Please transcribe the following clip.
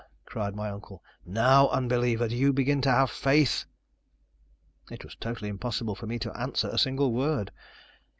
cried my uncle, "now, unbeliever, do you begin to have faith?" It was totally impossible for me to answer a single word.